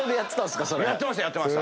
やってました。